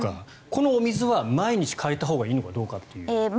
このお水は毎日替えたほうがいいのかという。